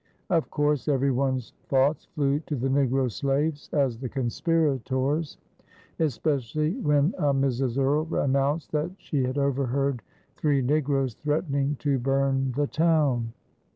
Of course every one's thoughts flew to the negro slaves as the conspirators, especially when a Mrs. Earle announced that she had overheard three negroes threatening to burn the town.